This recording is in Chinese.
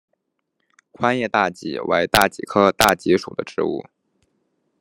宽叶大戟为大戟科大戟属的植物。